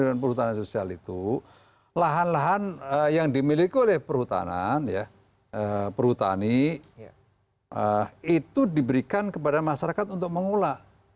yang dimaksud perhutanan sosial itu lahan lahan yang dimiliki oleh perhutanan ya perhutani itu diberikan kepada masyarakat untuk mengelola